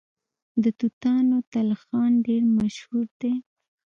د توتانو تلخان ډیر مشهور دی.